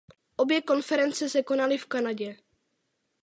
Obě konference se konaly v Kanadě.